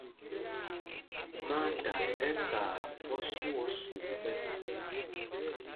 Maata ɛ́ kaa osû o sûk ɓɛ́.